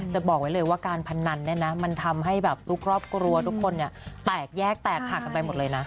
จะบอกไว้เลยว่าการพนันเนี่ยมันทำให้ผู้ครอบครัวทุกคนเนี่ยตายแยกตายผ่านกันไปหมดเลยนะ